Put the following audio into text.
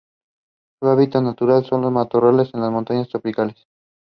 He was given the name Norbert when took the habit.